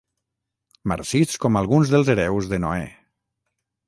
Marcits com alguns dels hereus de Noè.